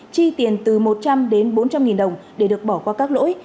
chi tiền từ một trăm linh bốn trăm linh đồng để được bỏ qua các lỗi